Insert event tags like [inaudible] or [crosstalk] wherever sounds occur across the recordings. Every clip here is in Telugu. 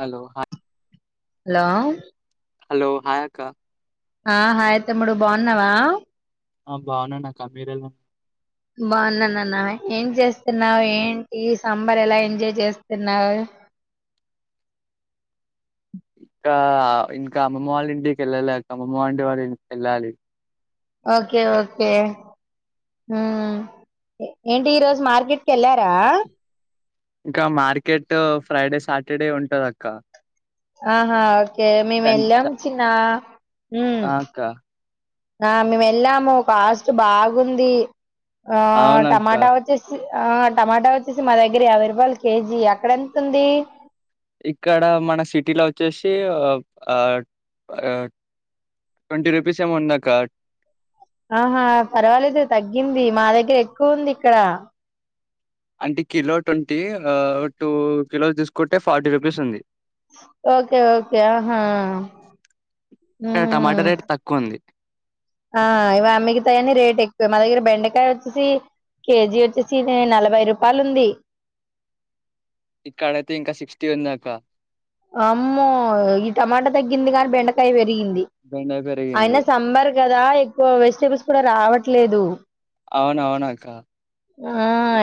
హలో, హా హలో. హలో, హాయ్ అక్క! ఆ, హాయ్ తమ్ముడు! బావున్నావా? ఆ, బాగున్నాను అక్క. మీరు ఎలా ఉన్న బాగున్నానన్న. ఏం చేస్తున్నావు? ఏంటి? సర్బార్ ఎలా ఎంజాయ్ చేస్తున్నావు? ఇంకా ఆ ఇంకా అమ్మమ్మ వాళ్ల ఇంటికి కేళ్లాలే, అక్క అమ్మమ్మ వాళ్లింటి కేళ్లాలి. Okay okay. మ్మ్, ఏంటి? ఈరోజు మార్కెట్కి వెళ్లారా? ఇంకా మార్కెట్ ఫ్రైడే, సాటర్‌డే ఉంటదక్క. ఆహా, ఓకే. మేము వెళ్ళాం చ- చిన్న. మ్మ్. ఆ అక్క ఆ, మేము వెళ్ళాము. కాస్ట్ బాగుంది? ఆ, అవునక్క టమాటా వచ్చేసి. ఆ, టమాటా వచ్చేసి మా దగ్గర యాభై రూపాయలు కేజీ. అక్కడ ఎంత ఉంది? ఇక్కడ మన సిటీలో వచ్చేసి, ట్వంటీ రూపీస్ ఏమో ఉందక్క. ఆహా, పర్వాలేదే తగ్గింది. మా దగ్గర ఎక్కువ ఉంది ఇక్కడ. అంటే కిలో ట్వంటీ. టూ కిలోస్ తీసుకుంటే, ఫార్టీ రూపీస్ ఉంది. Okay okay. ఆహా! ఇక్కడ, టమాటా ఉమ్ రేట్ తక్కువ ఉంది. ఆ ఇవి మిగతాయన్ని రేట్ ఎక్కువ మా దగ్గర. బెండకాయ వచ్చేసి, కేజీ వచ్చేసి నలభై రూపాయలు ఉంది. ఇక్కడ అయితే, ఇంకా సిక్స్టీ ఉన్నదక్క. అమ్మో, ఈ టమాటా తగ్గింది గానీ, బెండకాయ వే రిగింది బెండ అయిన, పెరిగింది సాంబార్ కదా. ఎక్కువ వెజిటేబుల్స్ కూడా రావట్లేదు. అవును, అవునక్క. ఆ,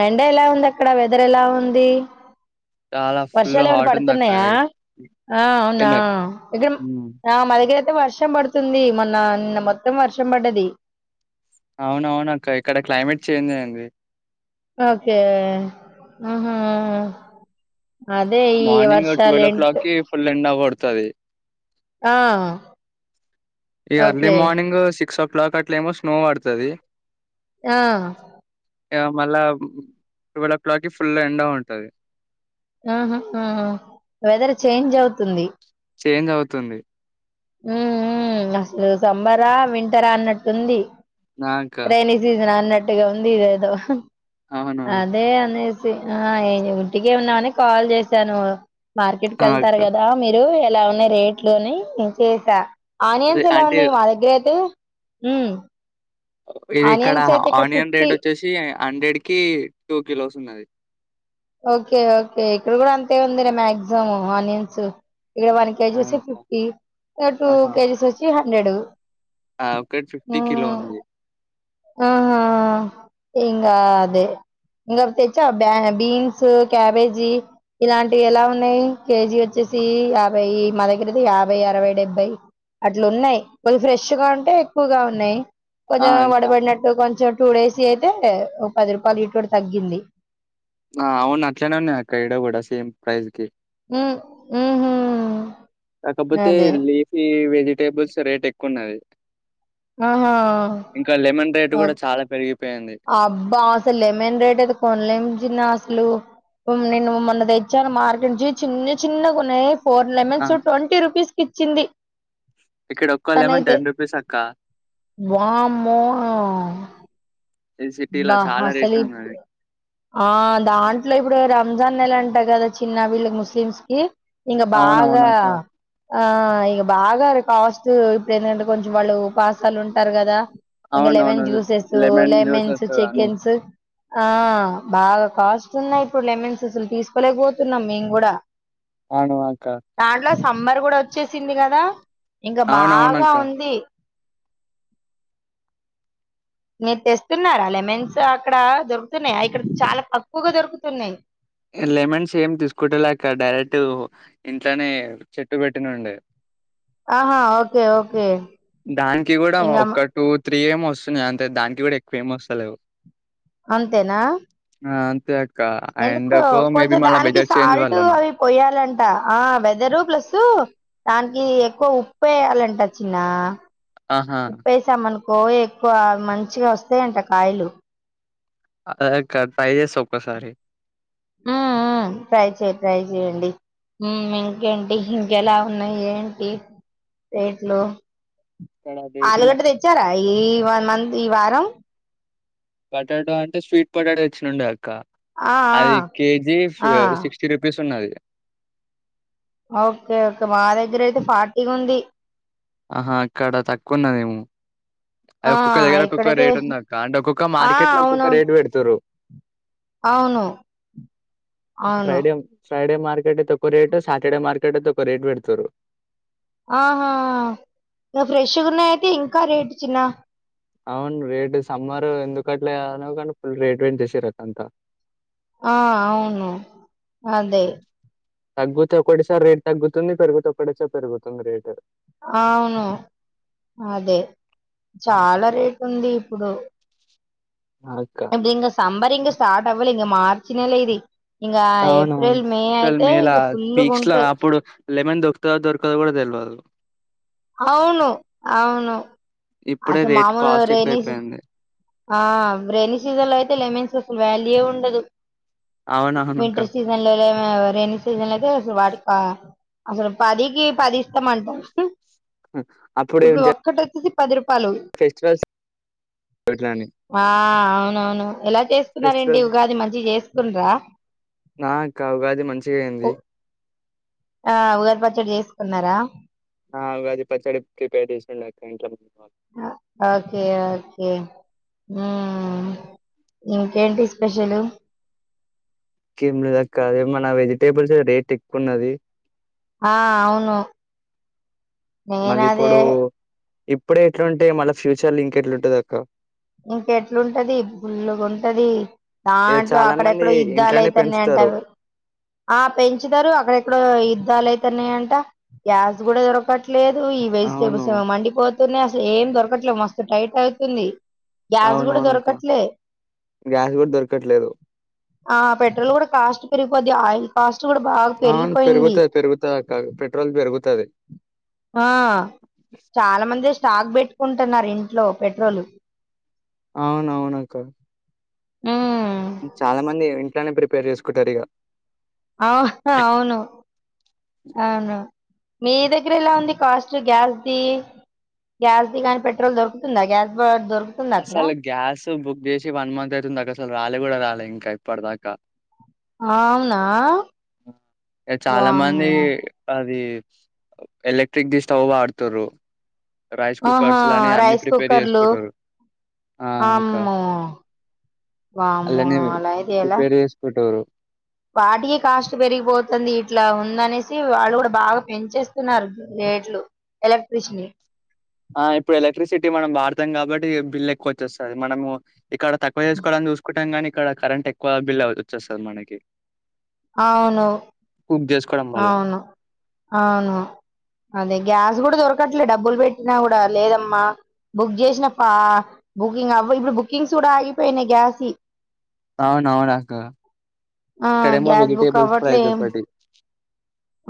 ఎండ ఇలా ఉందక్క. అక్కడ వెదర్ ఎలా ఉంది? చాలా ఫుల్ వర్షాలు ఏమైనా హాట్ ఉందక్క పడుతున్నాయా ఆ అవునా ఎంద ఇ [unintelligible] ఉమ్, మా దగ్గర అయితే వర్షం పడుతుంది. మొన్న నిన్న మొత్తం వర్షం పడ్డది. అవునవును అక్క ఇక్కడ క్లైమేట్ చేంజ్ అయింది. ఓకే ఆ మార్నింగ్ ట్వీల్వ్ ఓ క్లాక్కి ఫుల్ ఎండ కొ వత్తది ఆ ఈ అర్లీ ఓకే మార్నింగ్ సిక్స్ ఓ ఫో కాట్లేమో స్నో పడతది. ఆ మళ్ళా ట్వల్వ్ ఓ క్లాక్కిి ఫుల్ ఎండ ఉంటది. ఆహ ఆహ వెదర్ చేంజ్ అవుతుంది. చేంజ్ అవుతుంది. హ్మ్మ్ హు అసలు సమ్మరా వింటరా అన్నట్టుంది. నాక రెని సీజన్ అన్న మట్టిగా ఉంది ఇదే ఏదో అవునవును అదే అనే ఆ ఇంటికే ఉన్నామని కాల్ చేసాను. మార్కెట్ ఆ కెళ్తారు అక్క కదా మీరు ఇలా ఉన్న రేట్ లోని చేసా ఇది ఆనియన్స్ ఎలా అంటే ఉంది మా దగ్గరైతే హ్మ్ ఇది ఇక్కడ ఆనియన్ రేట్ వచ్చేసి హండ్రెడ్ కి టూ కిలోస్ ఉన్నది. ఓకే ఓకే ఇక్కడ కూడా అంతే ఉంది రా మాక్సిమం ఆనియన్స్ ఇడ వన్ కేజీ ఆ వచ్చి అక్క ఫిఫ్టీ టూ ఆహా కేజీస్ వచ్చి హ నేడు ఆ ఒకటి ఫిఫ్టీ ఆ కిలో ఉంది ఆహా ఆ ఏం కాదే ఇంగా తెచ్చి బ్యా బీన్ బిన్స్, క్యాబేజీ ఇలాంటివి ఎలా ఉన్నాయి కేజీ వచ్చేసి యాభై మాదగ్గరైతే యాభై, అరవై, డెబ్బై అట్లు ఉన్నాయి. కొద్ది ఫ్రెష్గాంటే ఎక్కువ కావా నేన్ ఆ కొంచెం అక్క వడబడినట్టు కొంచం టూ డేస్ అయితే ఓ పది రూపాయలు [unintelligible] తగ్గింది ఆ అవును అట్లనే ఉన్నాయి అక్క ఇడ కూడా సేమ్ ప్రైజ్ కి మ్మ్ హుమ్మ్ కాకపోతే లేసి వెజిటేబుల్స్ రేట్ ఎక్కువ ఉన్నది. ఆహా ఇంకా లెమన్ రేటు ఓహ్! కూడా చాలా పెరిగి అబ్బా అసల్ లేమన్ రేట్ అయితే కొనలేం చిన్న అసలు నిను మొన్న తెచ్చాను మార్కెట్ నుంచి చిన్న చిన్నగా కొన్నాయి ఫోర్ ఆ! లెమన్స్ ట్వంటీ రుపీస్ ఇచ్చింది ఇక్కడ ఒక్క లెమన్ తనైతే రూ. అక్క. వామ్మో ఇది సిటీలా బా చాలా అసలు రేట్ ఈ ఉన్నది ఆ దాంట్లో ఇప్పుడు రంజాన్ నెల అంటా కదా చిన్న వీళ్ళ ముస్లిమ్స్ కి ఇంగ బాగా అవునవునక్క. ఆ ఇక బాగా కాస్ట్ ఇప్పుడు ఏంటంటే కొంచెం వాళ్ళు ఉపాసాలు ఉంటారు కదా ఇంగ అవునవును. Lemon juices lemon lemons juices అన్నీ. చికెన్స్ ఆ బాగా కాస్ట్ ఉన్నాయి ఇప్పుడు లెమన్స్ అసలు తీసుకోలేకపోతున్నాం మేము కూడా అవును అక్క. దాంట్లో సమ్మర్ కూడా వచ్చేసింది కదా ఇంగా బాగా అవునవునక్క. ఉంది మీరు తెస్తున్నారా లెమన్స్ అక్కడ దొరుకుతున్నాయి ఇక్కడ చాలా తక్కువగా దొరుకుతున్నాయి లెమన్స్ ఏమి తీసుకుంటేలేక్క డైరెక్ట్ ఇంట్లోనే చెట్టు పెట్టినుండే ఆహా ఓకే ఓకే దానికి కూడా ఇంకా ఒక్క టూ త్రీ ఏమో వస్తున్నాయ్ అంతే దానికి కూడా ఎక్కువ ఏమి వస్తలేవు అంతేనా ఆ అంతే ఆ ఎందుకో ఎండకో మేబీ కొంచెం మళ్ళ దానికి వెదర్ చేంజ్ సాల్ట్ వల్లనో అవి పోయాలంట ఆ వెదర్ ప్లస్ దాని ఇది ఎక్కువ ఉప్పు వేయాలంట చిన్న ఆహా ఉప్పెసాం అను కోవి ఎక్కువ మంచిగా వస్తాయంట కాయలు అదే అక్క ట్రై చేస్త ఒక్కసారి హ్మ్ హ్మ్ ట్రై చెయ్ ట్రై చెయండి హ్మ్ ఇంకేంటి ఇంకెలా ఉన్నాయి ఏంటి రేట్లు ఇక్కడ రేట్లు ఆలుగడ్డ మాత్రం తెచ్చారా ఈ వా మంది ఈ వారం పొటాటో అంటే స్వీట్ పొటాటో తెచ్చినుండా అ క్క ఆ అది కేజీ ఆ ఆ సిక్స్టీ రూపీస్ ఉన్నది ఓకే ఓకే మా దగ్గర అయితే ఫార్టీ ఉంది ఆహా అక్కడ తక్కువ ఉన్నదేమో అది ఆ ఒక్కొక్క దగ్గర ఒక్కొక్క ఇక్కడైతే రేట్ ఉందక్క అంటే ఒక్కొక్క ఆ మార్కెట్ లో ఒక్కొక్క అవునవును రేట్ పెడుతురు అవును అవును ఫ్రైడే ఫ్రైడే మా [unintelligible] ఒక్క రేటు సాటర్డే మార్కెట్ ఒరేట్ పెడుతారు ఆహా ఇగ ఫ్రెష్గున్నాయితే ఇంకా రేట్ చిన్న అవును రేటు సమ్మర్ ఎందుకట్లే అనో కనీ ఫుల్ రేట్ పెంచేసిరక అంత ఆ అవును అదే తగ్గుతే ఒకటిసారి రేట్ తగ్గుతుంది పెరుగుతే ఒకటిసారి పెరుగుతుంది రేటు అవును అదే చాలా రేట్ ఉంది ఇప్పుడు అక్క ఇప్పుడు ఇంగ సమ్మర్ ఇంగ స్టార్ట్ అవలే ఇగ మార్చి నెల ఇది ఇంగా అవునవును ఏప్రిల్ మే వాళ్ళు అయితే మేలా ఇంగ పీక్స్ లో ఫుల్లుగుంటది అప్పుడు లెమన్ దొరుకుతదో దొరకదో కూడా తెల్వదు అవును అవును ఇప్పుడే అసే రేట్ మామూలు కాస్ట్ రేని సి ఎక్కువైపోయింది ఆ రెైనీ సీజన్ లో అయితే లెమన్స్ అసలు వాల్యూ ఏ ఉండదు అవునవును అక్క వింటర్ సీసన్ లలో ఆ రెైనీ సీజన్ లో అయితే అసలు వాటికి పా అసలు పదికి పది ఇస్తామంటరు హ అప్పుడేం చె పది రూ ఫెస్టివల్స్ పొట్లాని ఆ అవునవును ఎలా చేస్కూ్నారేంటి ఉగాది మంచిగ చేస్కుండ్రా నా అక్క ఉగాది మంచిగా ఉ అయింది ఆ ఉగాది పచ్చడి చేసుకున్నరా ఆ ఉగాది పచ్చడి ప్రిపేర్ చేసిండక్క ఇంట్లకు అ ఓకే ఓకే ఊ ఇంకేంటి స్పెషలు కెంలేదక్కా మన వెజిటేబుల్స్ రేట్ ఎక్కువ ఉన్నది ఆ అవును మళ్ళీ నేనదే ఇప్పుడు ఇప్పుడే ఇట్లుంటే మళ్ళ ఫ్యూచర్ లో ఇంకెట్లుంటదక్క ఇంకెట్లుంటది పుల్లుగా ఉంటది ఇగ దాంట్లో చాలా మంది అక్కడెక్కడో ఇంట్లోనే పెంచుతారు ఇద్దలైతనయంటవి ఆ పెంచుతారు అక్కడెక్కడో యుద్ధాలు అయితన్నాయంట గ్యాస్ కూడా దొరకట్ లేదు ఈ అవును వెజిటేబుల్స్ ఏమో మండిపో తునయ్ అసలు ఏం దొరకట్లేదు మస్తు టైట్ అవుతుంది గ్యాస్ కూడా అవునవునక్క దొరకట్లే గ్యాస్ కూడా దొరకట్లేదు ఆ పెట్రోల్ కూడా కాస్ట్ కొద్దిగా ఆయిల్ కాష్ అవును పెరుగుతాయి పెరుగుతాయక్క పెట్రోల్ పెరుగు తది ఆ చాలా మంది స్టాక్ బెట్టుకుంటున్నారు ఇంట్లో పెట్రోలు అవునవును క ఉమ్ ఇట్లనే ప్రిపేర్ చేసుకుంటారు ఇగ అహా అవును అవును అహా మీ దగ్గర ఎలా ఉంది కాస్ట్ గ్యాస్ది గ్యాస్ది కానీ పెట్రోల్ దొరుకుతుందా గ్యాస్ బ దొరుకు అసలు గ్యాస్ ఉ బుక్ చేసి వన్ మంత్ అయితుందిక అసలు రాలే కూడా రాలే ఇంకా ఇప్పటి దాకా అవునా చాలా మంది వామ్మో అది ఎలక్ట్రిక్ దీ స్టవ్ వాడతారు రైస్ ఆహా కుక్కర్స్ లని అన్ని రైస్ ప్రిపేర్ కుక్కర్లు చేసుకుంటరు ఆ ఇంకా అమ్మో వామ్మో అలని అలా అయితే ఎలా ప్రిపేర్ చేసుకుంటారు వాటికి కాస్ట్ పెరిగిపోతుంది ఇట్లా ఉందనేసి వాళ్ళు కూడా బాగా పెంచేస్తున్నారు రేట్లు ఎలక్ట్ర్రిషిన్ ఆ ఇప్పుడు ఎలక్ట్రిసిటీ మనం వాడతాం కాబట్టి బిల్ ఎక్కువ వచ్చస్తుంది మనము ఇక్కడ తక్కువ చేసుకోవడానికి చూసుకుంటాం కాని ఇక్కడ కరెంట్ ఎక్కువ బిల్ అ వచ్చేస్తుంది మనకి అవును కుక్ చేసుకోవడం వల్ల అవును అవును అదే గ్యాస్ అ కూడా దొరకట్లేదు డబ్బులు పెట్టినా కూడా లేదమ్మా బుక్ చేసిన బుకింగ్ అ ఇప్పుడు బుకింగ్స్ కూడా ఆగిపోయినాయి గ్యాస్ అవును అవునక్క ఆ ఇక్కడమో గ్యాస్ బుక్ వెజిటేబుల్స్ అవ్వట్లే ప్రైజ్ ఏం ఒకటి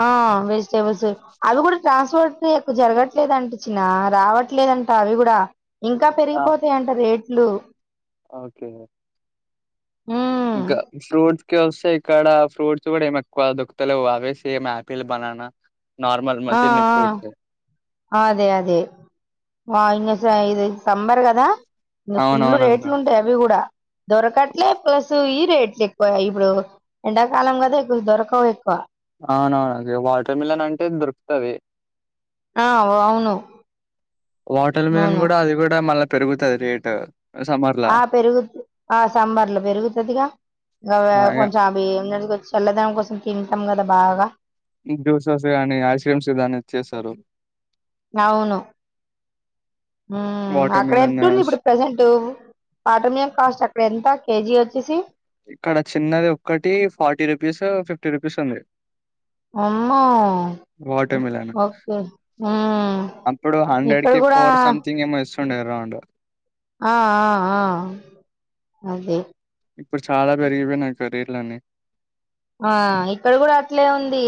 ఆ వెజిటేబుల్స్ అవి కూడా ట్రాన్స్పోర్ట్ ఎక్కు జరగట్లేదంట చిన్న రావట్లేదంట అవి కూడా ఇంకా ఆహా పెరిగిపోతాయింట రేట్లు [inaudible] ఓకే ఉ ఇంకా ఫ్రూట్స్ కి వస్తే ఇక్కడ ఫ్రూట్స్ కూడా ఏమి ఎక్కువ దొకుతలే అవేసి ఏం ఆపిల్ బనానా నార్మల్ మ ఆ తినే ఫ్రూట్స్ ఆ అదే అదే వాయి ఇది సంబర్ కదా ఇ ఫుల్ అవునవునక్క రేట్లు ఉంటాయి అవి కూడా దొరకట్లే ప్లస్ రేట్లు ఎక్కువ ఇప్పుడు ఎండాకాలం కదా ఎక్కువ దొరకవు ఎక్కువ అవునవును వాటర్ మిలన్ అంటే దొరుకుతుంది ఆ అవును వాటర్ మిలన్ అవును కూడా అది కూడా మళ్ళా పెరుగుతది రేటు ఆ పెరుగుతు ఆ సంబర్ లో పెరుగుతదిగా ఇ అవి ఆ కొంచెం అవి చల్లదనం కోసం తింటాం కదా బాగా జ్యూసెస్ గానీ ఐస్ క్రీమ్స్ కాని చేస్తారు అవును ఉ వాటర్ అక్కడ మిలన్ ఎట్టుంది ఇప్పుడు ప్రజెంట్ పాటమియం కాస్ట్ అక్కడ ఎంత కేజీ వచ్ చేసి ఇక్కడ చిన్నది ఒక్కటి ఫార్టీ రూపీస్ ఫిఫ్టీ రూపీస్ ఉంది అమ్మో వాటర్ మిలన్ ఓకే మ్మ్ అప్పుడు హండ్రెడ్ ఇక్కడ కి కూడా ఫోర్ సంథింగ్ [unintelligible] ఆ ఆ ఆ అదే ఇప్పుడు చాలా పెరిగిపోయినాయక్క రేట్లన్నీ ఆ ఇక్కడ కూడా అట్లే ఉంది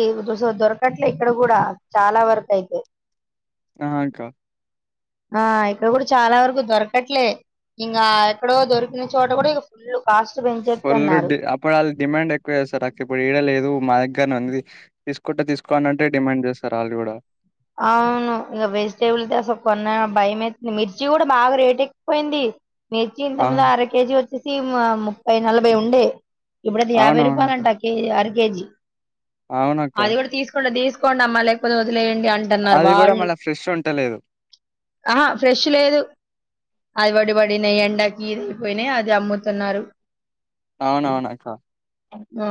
దొరకట్లే ఇక్కడ కూడా చాలా వరకయితే ఆ అక్క ఆ ఇక్కడ కూడా చాలా వరకు దొరకట్లే ఇంగా ఎక్కడో దొరికిన చోట కూడా ఇక ఫుల్ కాస్ట్ ఫుల్ పెంచేస్తున్నారు డి అప్పుడాళ్ళు డిమాండ్ ఎక్కువ చేస్తారకిప్ ఇప్పుడు ఏడ లేదు మా దగ్గరనే ఉంది తీసుఆకుంటే తీసుకొండంటే డిమాండ్ చేస్తారు ఆళ్ళు కూడా అవును ఇంక వెజిటేబుల్ది అసలు కొన్నా భయం ఏత్తంది మిర్చి కూడా బాగా రేట్ ఎక్కిపోయింది మిర్చి ఇంతముందు ఆహా అర కేజీ వచ్చేసి ము ముప్పై నలభై ఉండే ఇప్పుడది యాభై అవునవునక్క రూపాయలుంటా కేజీ అర్ కే జీ అవునక్క అది కూడా తీసుకుంటె తీస్ కొండమ్మా లేకపోతే వదిలేయండి అ అంటన్నారు అది కూడా వాళ్ళు మళ్ళీ ఫ్రెష్ ఉంటలేదు ఆ ఫ్రెష్ లేదు అది పడి పడిన ఎండకి ఇది అయిపోయినా అది అమ్ముతున్నారు అవునవునక్క ఆ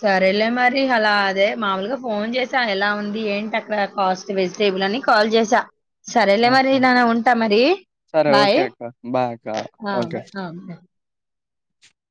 సరేలే మరి అలా అదే మాముూలుగా ఫోన్ చేసా ఎలా ఉంది ఏంటి అక్కడ కాస్ట్ వెజిటేబుల్ అని కాల్ చేసా సరేలే మరి ఆహా నాన్న ఉంటా మరి సరే బాయ్ ఓకే అక్క బాయ్ అక్క అ ఓకే బా అ బా